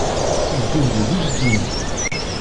Isdegdeg akk ddunit.